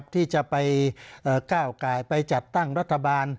ที่จะไปก้าวไก่ไปจัดตั้งรัฐบาล